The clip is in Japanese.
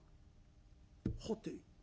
「はて。